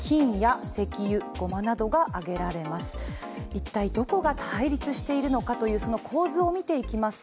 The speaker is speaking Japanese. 一体どこが対立しているのかという構図を見ていきます。